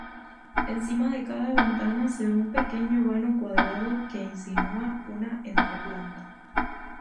Encima de cada ventana se ve un pequeño vano cuadrado que insinúa una entreplanta.